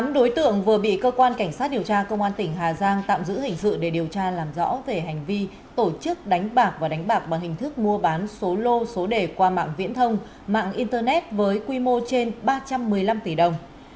tám đối tượng vừa bị cơ quan cảnh sát điều tra công an tỉnh hà giang tạm giữ hình sự để điều tra làm rõ về hành vi tổ chức đánh bạc và đánh bạc bằng hình thức mua bán số lô số đề qua mạng viễn thông mạng internet với quy mô trên ba trăm một mươi năm tỷ đồng